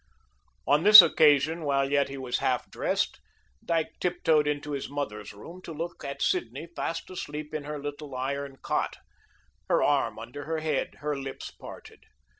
On this occasion, while yet he was half dressed, Dyke tiptoed into his mother's room to look at Sidney fast asleep in her little iron cot, her arm under her head, her lips parted.